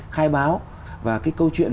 khai báo và cái câu chuyện